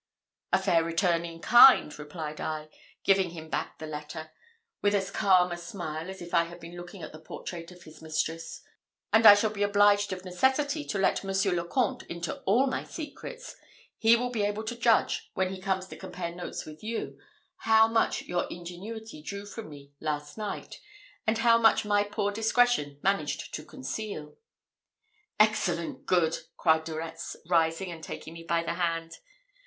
"A fair return in kind," replied I, giving him back the letter, with as calm a smile as if I had been looking at the portrait of his mistress. "And as I shall be obliged of necessity to let Monsieur le Comte into all my secrets, he will be able to judge, when he comes to compare notes with you, how much your ingenuity drew from me last night, and how much my poor discretion managed to conceal." "Excellent good!" cried De Retz, rising and taking me by the hand.